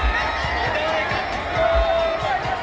มาแล้วครับพี่น้อง